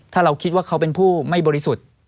ถ้าเราคิดว่าเขาเป็นผู้ไม่บริสุทธิ์